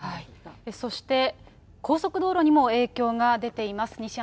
そして高速道路にも影響が出ています。